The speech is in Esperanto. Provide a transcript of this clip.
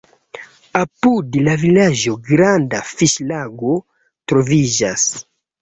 Apud la vilaĝo granda fiŝlago troviĝas.